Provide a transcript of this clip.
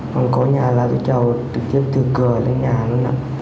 còn có nhà là tôi chào